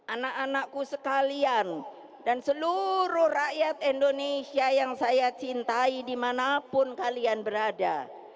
anak anakku sekalian dan seluruh rakyat indonesia yang saya cintai dimanapun kalian berada